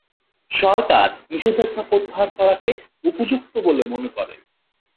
সরকার নিষেধাজ্ঞা প্রত্যাহার করাকে উপযুক্ত বলে মনে করে।